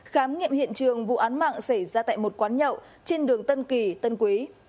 khám nghiệm hiện trường vụ án mạng xảy ra tại một quán nhậu trên đường tân kỳ tân quý